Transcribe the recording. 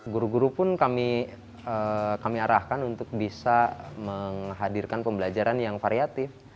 guru guru pun kami arahkan untuk bisa menghadirkan pembelajaran yang variatif